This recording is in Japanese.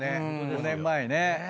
５年前ね。